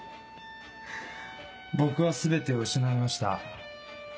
僕は全てを失いました。